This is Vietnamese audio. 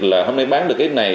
là hôm nay bán được cái này